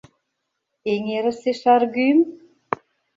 Эҥерысе шаргӱм?